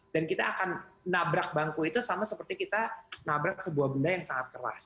dan kita akan nabrak bangku itu sama seperti kita nabrak sebuah benda yang sangat keras